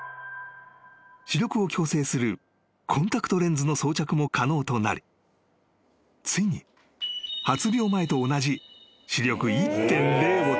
［視力を矯正するコンタクトレンズの装着も可能となりついに発病前と同じ］